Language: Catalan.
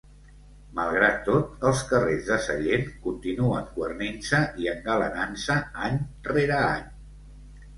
Malgrat tot, els carrers de Sallent continuen guarnint-se i engalanant-se any rere any.